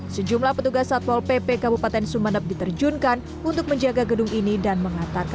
sejumlah petugas satpol pp kabupaten sumeneb diterjunkan untuk menjaga gedung ini dan mengantarkan